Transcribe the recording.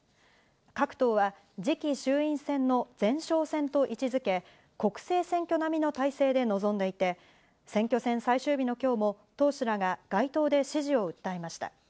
各党は、次期衆院選の前哨戦と位置づけ、国政選挙並みの態勢で臨んでいて、選挙戦最終日のきょうも党首らが街頭で支持を訴えました。